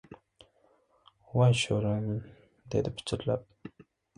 — Voy, sho‘rim! — dedi pichirlab.